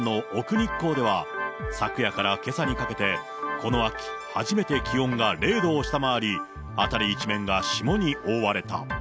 日光では、昨夜からけさにかけて、この秋、初めて気温が０度を下回り、辺り一面が霜に覆われた。